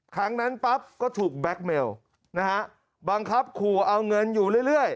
ครั้งนั้นปั๊บก็ถูกแบ็คเมลนะฮะบังคับขู่เอาเงินอยู่เรื่อย